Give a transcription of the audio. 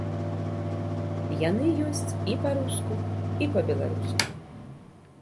Яны ёсць і па-руску і па-беларуску.